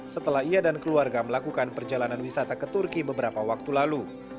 setelah ia dan keluarga melakukan perjalanan wisata ke turki beberapa waktu lalu